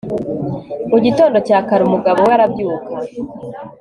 mu gitondo cya kare, umugabo we arabyuka